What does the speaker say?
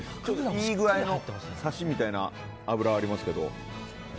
いい具合のサシみたいな脂はありますけど。